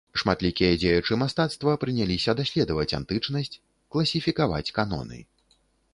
Шматлікія дзеячы мастацтва прыняліся даследаваць антычнасць, класіфікаваць каноны.